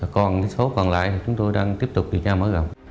còn số còn lại thì chúng tôi đang tiếp tục đi tra mở gặp